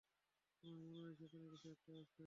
আমার মনে হয় সেখানে কিছু একটা আছে।